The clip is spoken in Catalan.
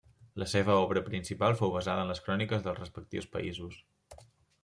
La seva obra principal fou basada en les cròniques dels respectius països.